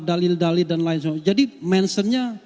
dalil dalil dan lain sebagainya jadi mentionnya